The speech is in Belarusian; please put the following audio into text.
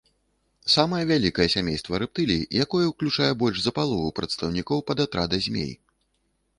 Самае вялікае сямейства рэптылій, якое ўключае больш за палову прадстаўнікоў падатрада змей.